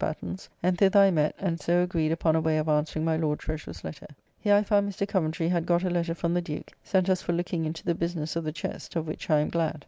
Batten's, and thither I met, and so agreed upon a way of answering my Lord Treasurer's letter. Here I found Mr. Coventry had got a letter from the Duke, sent us for looking into the business of the Chest, of which I am glad.